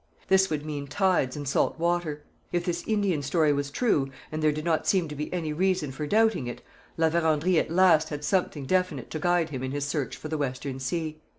This would mean tides and salt water. If this Indian story was true, and there did not seem to be any reason for doubting it, La Vérendrye at last had something definite to guide him in his search for the Western Sea.